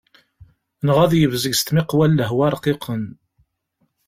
Neɣ ad yebzeg s tmiqwa n lehwa rqiqen.